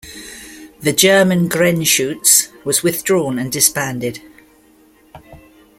The German "Grenzschutz" was withdrawn and disbanded.